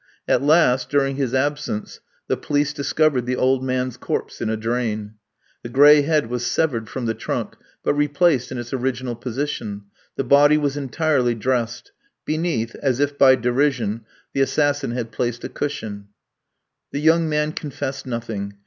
At last, during his absence, the police discovered the old man's corpse in a drain. The gray head was severed from the trunk, but replaced in its original position. The body was entirely dressed. Beneath, as if by derision, the assassin had placed a cushion. The young man confessed nothing.